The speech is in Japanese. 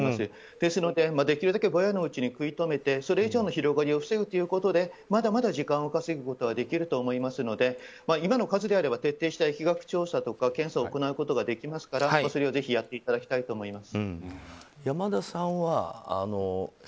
ですので、できるだけぼやのうちに食い止めてそれ以上の広がりを防ぐということでまだまだ時間を稼ぐことはできると思いますので今の数であれば徹底的な疫学調査とか検査をやることができるのでやっていただきたいと思います。